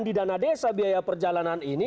di dana desa biaya perjalanan ini